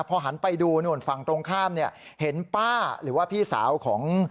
พอหันไปดูนู่นฝั่งตรงข้ามเนี่ยเห็นป้าหรือว่าพี่สาวของ